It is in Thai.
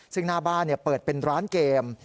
ซึ่งหน้าบ้านเปิดเป็นร้านเกม